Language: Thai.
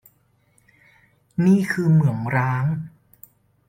นี่คือเหมืองร้าง